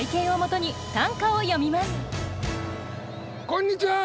こんにちは！